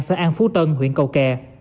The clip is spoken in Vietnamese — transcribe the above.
xã an phú tân huyện cầu kè